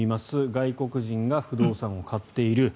外国人が不動産を買っている。